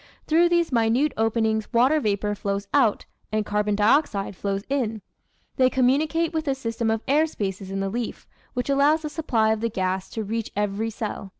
Through these minute openings water vapour flows out, and carbon dioxide flows in. They communicate with a system of air spaces in the leaf which allows a supply of the gas to reach every cell.